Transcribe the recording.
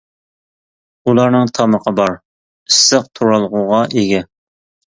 ئۇلارنىڭ تامىقى بار، ئىسسىق تۇرالغۇغا ئىگە.